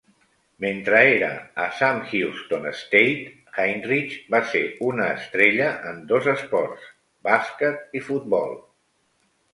Mentre era a Sam Houston State, Heinrich va ser una estrella en dos esports, bàsquet i futbol.